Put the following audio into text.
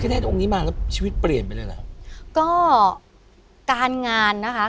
แต่พระพิคเนตรองค์นี้มาแล้วชีวิตเปลี่ยนไปเลยเหรอก็การงานนะคะ